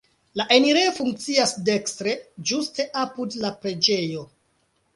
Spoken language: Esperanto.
La enirejo funkcias dekstre, ĝuste apud la preĝejo.